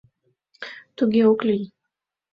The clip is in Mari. ТУГЕ ОК ЛИЙ